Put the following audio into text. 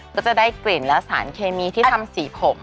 ก็จะได้กลิ่นและสารเคมีที่ทำสีผก